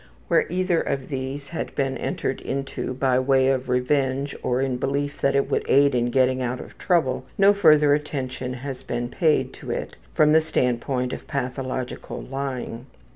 Where either of these has been entered into by way of revenge or in belief that it would aid in getting out of trouble, no further attention has been paid to it from the standpoint of pathological lying.